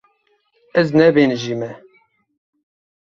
Ez nebêhnijî me.